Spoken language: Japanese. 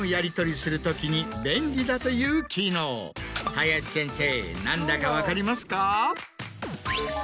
林先生何だか分かりますか？